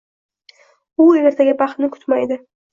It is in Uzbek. U ertaga baxtni kutmaydi.